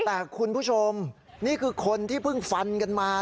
แต่คุณผู้ชมนี่คือคนที่เพิ่งฟันกันมา